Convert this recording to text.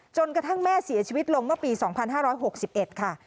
กระทั่งแม่เสียชีวิตลงเมื่อปี๒๕๖๑ค่ะ